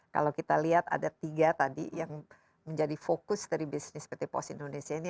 kalau kita lihat ada tiga tadi yang menjadi fokus dari bisnis pt pos indonesia ini